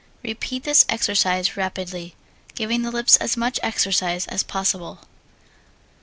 Repeat this exercise rapidly, giving the lips as much exercise as possible.